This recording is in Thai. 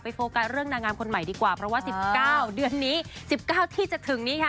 โฟกัสเรื่องนางงามคนใหม่ดีกว่าเพราะว่า๑๙เดือนนี้๑๙ที่จะถึงนี้ค่ะ